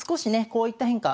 こういった変化